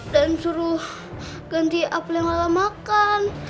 dan suruh ganti apel yang lala makan